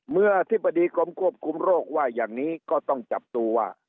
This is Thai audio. อธิบดีกรมควบคุมโรคว่าอย่างนี้ก็ต้องจับดูว่า